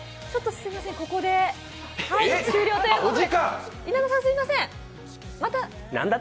すみません、ここで終了ということで。